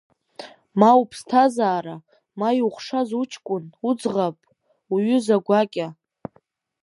Ма уԥсҭазаара, ма иухшаз уҷкәын, уӡӷаб, уҩыза гәакьа…